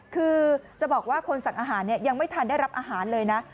คือจะบอกว่าคนสั่งอาหารยังไม่ทันได้รับอาหารเลยนะ